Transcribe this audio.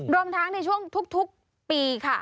รวมทั้งในช่วงทุกปีค่ะ